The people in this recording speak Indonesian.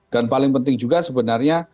dan paling penting juga sebenarnya